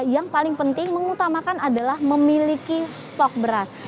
yang paling penting mengutamakan adalah memiliki stok beras